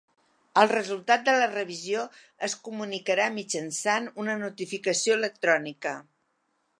El resultat de la revisió es comunicarà mitjançant una notificació electrònica.